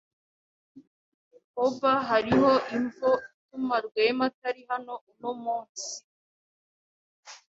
Hoba hariho imvo ituma Rwema atari hano uno munsi?